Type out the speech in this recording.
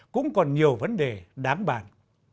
cũng còn nhiều vấn đề đáng bàn